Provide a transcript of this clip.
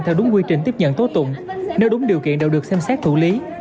theo đúng quy trình tiếp nhận tố tụng nếu đúng điều kiện đều được xem xét thủ lý